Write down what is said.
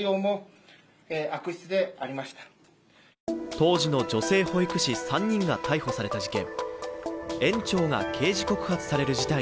当時の女性保育士３人が逮捕された事件。